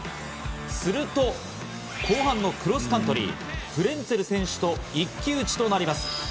すると後半のクロスカントリー、フレンツェル選手と一騎打ちとなります。